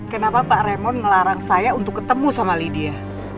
kenapa pak remon ngelarang saya untuk ketemu sama lydia